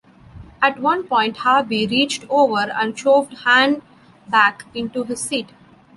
At one point, Harby "reached over" and shoved Hahn back into his seat.